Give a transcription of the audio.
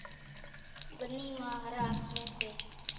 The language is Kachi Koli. ٻنِي مان هر هاڪوون سي۔